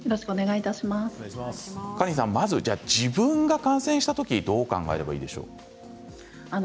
まず自分が感染したときどう考えればいいでしょうか。